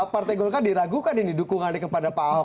partai golkar diragukan ini dukungannya kepada paho